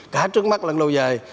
cả trước mắt lần lâu dài